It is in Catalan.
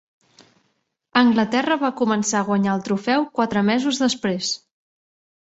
Anglaterra va començar a guanyar el trofeu quatre mesos després.